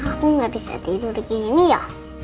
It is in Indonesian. aku gak bisa tidur begini ya